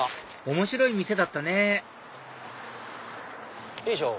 面白い店だったねよいしょ。